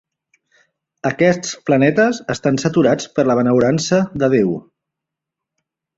Aquests planetes estan saturats per la benaurança de Déu.